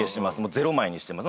０枚にしてます。